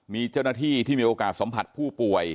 มีเจ้าหน้าที่ที่มีโอกาสสัมผัสผู้ป่วย